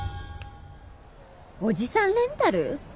おじさんレンタル？